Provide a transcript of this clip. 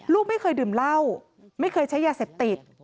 ลูกไม่เคยดื่มเหล้าไม่เคยใช้ยาเสพติด